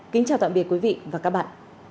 kính chào tạm biệt quý vị và các bạn